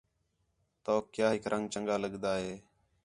تَؤک کیا ہِک رنگ چَنڳا لڳدا ہے؟